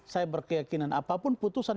saya berkeyakinan apapun putusan